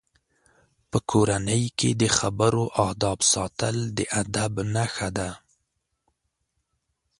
په کورنۍ کې د خبرو آدب ساتل د ادب نښه ده.